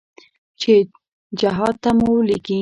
چې جهاد ته مو ولېږي.